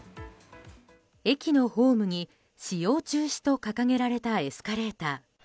駅のホームに使用中止と掲げられたエスカレーター。